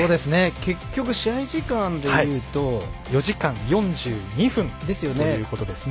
結局、試合時間でいうと４時間４２分ということですね。